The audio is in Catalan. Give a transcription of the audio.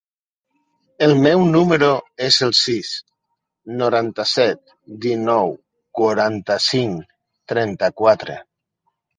El meu número es el sis, noranta-set, dinou, quaranta-cinc, trenta-quatre.